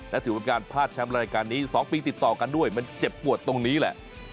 และถือว่าเป็นการพลาดแชมป์รายการนี้๒ปีติดต่อกันด้วยมันเจ็บปวดตรงนี้แหละ